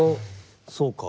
そうか。